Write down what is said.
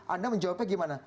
anda menjawabnya bagaimana